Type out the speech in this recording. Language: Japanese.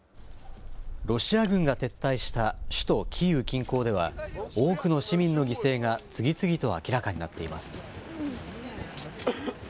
ロシア軍が撤退した首都キーウ近郊では、多くの市民の犠牲が次々と明らかになっています。